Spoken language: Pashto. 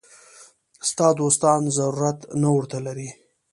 ستا دوستان ضرورت نه ورته لري.